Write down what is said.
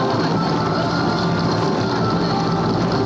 untuk berkongsi tentang hal tersebut